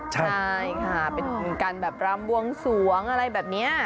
ใช่ค่ะเป็นการแบบรำบวงสวงอะไรแบบนี้